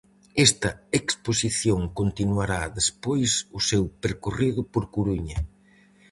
Esta exposición continuará despois o seu percorrido por Coruña.